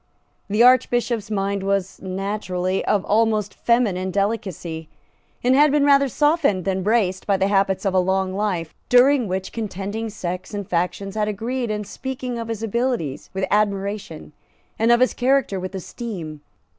The Archbishop's mind was naturally of almost feminine delicacy, and had been rather softened than braced by the habits of a long life, during which contending sects and factions had agreed in speaking of his abilities with admiration and of his character with esteem.